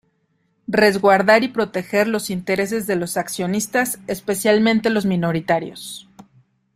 Resguardar y proteger los intereses de los accionistas, especialmente los minoritarios.